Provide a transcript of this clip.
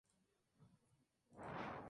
Maya, Av.